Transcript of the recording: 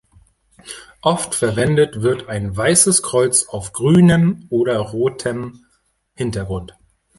Oft verwendet wird ein weißes Kreuz auf grünem oder rotem Hintergrund.